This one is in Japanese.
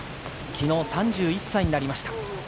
昨日、３１歳になりました。